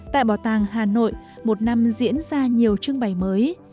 tại bảo tàng hà nội một năm diễn ra nhiều trưng bày mới